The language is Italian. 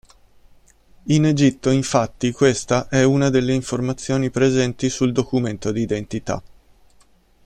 In Egitto, infatti, questa è una delle informazioni presenti sul documento di identità.